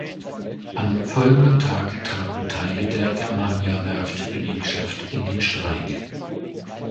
Am folgenden Tag traten Teile der Germaniawerft-Belegschaft in den Streik.